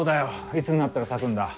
いつになったら咲くんだ？